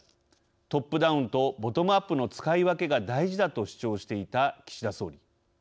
トップダウンとボトムアップの使い分けが大事だ」と主張していた岸田総理。